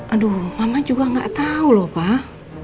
aduh mama juga gak tau loh pak